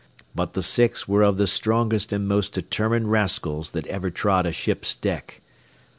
But the six were of the strongest and most determined rascals that ever trod a ship's deck.